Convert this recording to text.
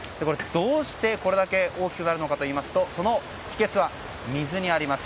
どうしてこれだけ大きくなるのかといいますとその秘訣は水にあります。